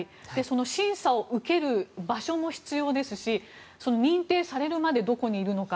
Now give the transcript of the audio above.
審査を受ける場所も必要ですし認定されるまでどこにいるのか。